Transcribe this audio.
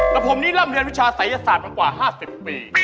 และผมนี่ร่ำเรียนวิชาศัยยสารเมื่อกว่าห้าสิบปี